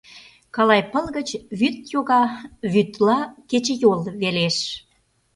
Калай «пыл» гыч вӱд йога, вӱдла кечыйол велеш.